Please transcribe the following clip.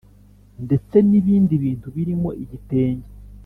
Ndetse N Ibindi Bintu Birimo Igitenge